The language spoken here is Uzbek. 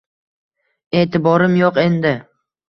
E’tiborim yo’q endi.